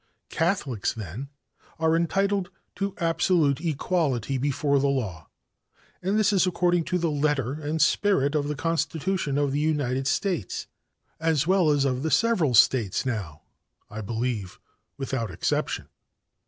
"Catholics, then, are entitled to absolute equality before the law, and this is according to the letter and spirit of the Constitution of the United States, as well as of the several States now, I believe, without exception.